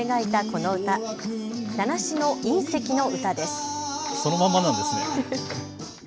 そのままなんですね。